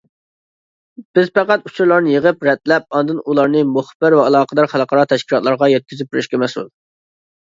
بىز پەقەت ئۇچۇرلارنى يىغىپ، رەتلەپ، ئاندىن ئۇلارنى مۇخبىر ۋە ئالاقىدار خەلقئارا تەشكىلاتلارغا يەتكۈزۈپ بېرىشكە مەسئۇل.